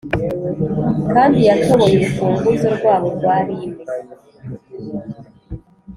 kandi yatoboye urufunguzo rwabo rwa lime.